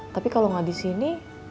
tapi kalau gak disini